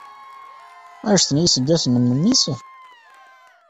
Anect n yiseggasen n memmi-s?